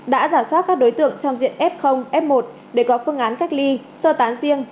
đã giả soát các đối tượng trong diện f f một để có phương án cách ly sơ tán riêng